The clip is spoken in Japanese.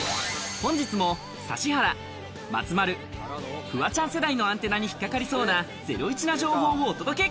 本日も指原、松丸、フワちゃん世代のアンテナに引っ掛かりそうなゼロイチな情報をお届け！